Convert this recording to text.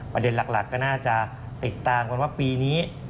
ประเด็นหลักก็น่าจะติดตามกันว่าปีนี้